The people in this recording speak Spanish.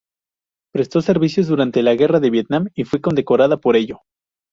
Prestó servicios durante la Guerra de Vietnam y fue condecorada por ello.